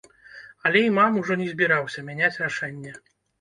Але імам ужо не збіраўся мяняць рашэнне.